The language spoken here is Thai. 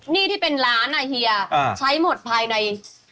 หนี้ที่เป็นล้านอ่ะเฮียใช้หมดภายใน